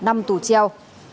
công an tỉnh quảng ngãi